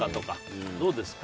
どうですか？